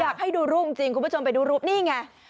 อยากให้ดูรูปจริงคุณผู้ชมไปดูรูปนี่ไง